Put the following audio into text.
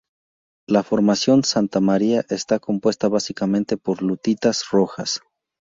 La Formación Santa Maria está compuesta básicamente por lutitas rojas.